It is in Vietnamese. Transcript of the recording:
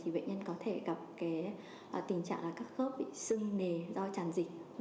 thì bệnh nhân có thể gặp cái tình trạng là các khớp bị xưng nề do tràn dịch v v